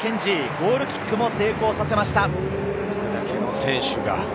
ゴールキックも成功させました。